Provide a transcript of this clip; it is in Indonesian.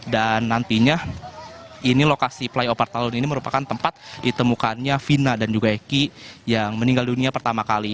dan nantinya ini lokasi flyover talun ini merupakan tempat ditemukannya vina dan juga eki yang meninggal dunia pertama kali